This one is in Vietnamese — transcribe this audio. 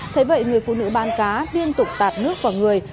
thế vậy người phụ nữ bán cá liên tục tạt nước vào người